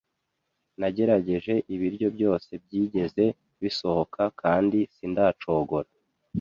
Nagerageje ibiryo byose byigeze bisohoka kandi sindacogora.